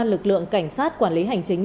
lực lượng cảnh sát quản lý hành chính